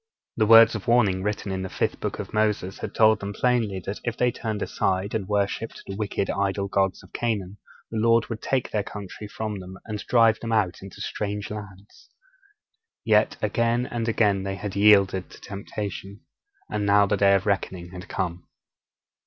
The words of warning written in the fifth book of Moses had told them plainly that if they turned aside and worshipped the wicked idol gods of Canaan, the Lord would take their country from them and drive them out into strange lands. Yet again and again they had yielded to temptation. And now the day of reckoning had come.